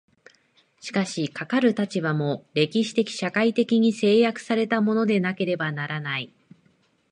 しかしかかる立場も、歴史的社会的に制約せられたものでなければならない。